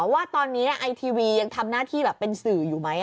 ว่าตอนนี้ไอทีวียังทำหน้าที่แบบเป็นสื่ออยู่ไหม